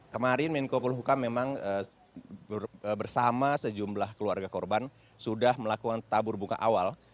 kemarin minco puluhuka memang bersama sejumlah keluarga korban sudah melakukan tabur bunga awal